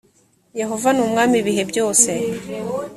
yehova numwami ibihebyose.